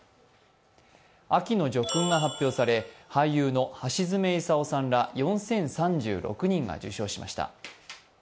秋の叙勲が発表され、俳優の橋詰功さんら４０３６人が受章しました。